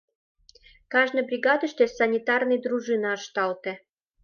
Кажне бригадыште санитарный дружина ышталте.